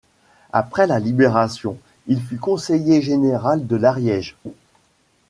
Après la Libération, il fut conseiller général de l'Ariège.